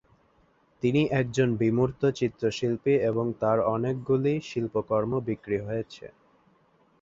তিনি একজন বিমূর্ত চিত্রশিল্পী এবং তার অনেকগুলি শিল্পকর্ম বিক্রি হয়েছে।